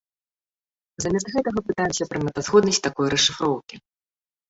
Замест гэтага пытаемся пра мэтазгоднасць такой расшыфроўкі.